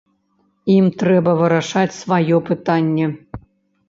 Ім трэба вырашаць сваё пытанне.